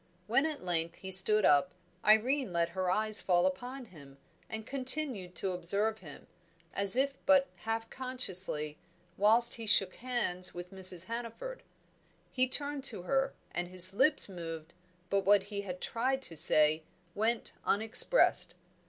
When at length he stood up, Irene let her eyes fall upon him, and continued to observe him, as if but half consciously whilst he shook hands with Mrs. Hannaford. He turned to her, and his lips moved, but what he had tried to say went unexpressed.